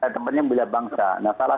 tempatnya bela bangsa nah salah